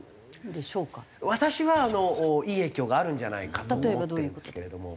私はいい影響があるんじゃないかと思っているんですけれども。